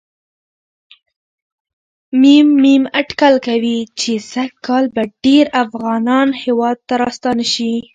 م.م اټکل کوي چې سږ کال به ډېر افغانان هېواد ته راستانه شي.